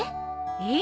えっ？